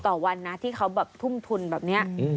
ต่อวันนะที่เขาแบบทุ่มทุนแบบนี้